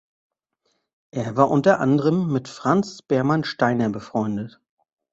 Er war unter anderem mit Franz Baermann Steiner befreundet.